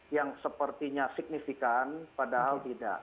yang sepertinya signifikan padahal tidak